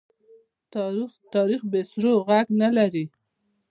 تاریخ بې سرو ږغ نه لري.